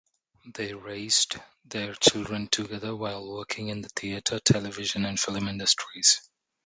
They raised their children together while working in the theatre, television and film industries.